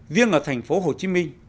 riêng ở thành phố hồ chí minh